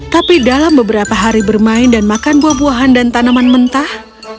tapi dalam beberapa hari bermain dan makan buah buahan dan tanaman mentah